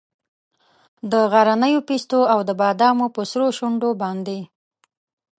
د غرنیو پیستو او د بادامو په سرو شونډو باندې